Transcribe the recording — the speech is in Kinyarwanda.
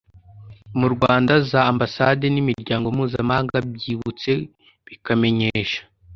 Mu Rwanda za Ambasade n Imiryango Mpuzamahanga byibutse bikamenyesha